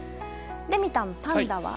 レミたん、パンダは。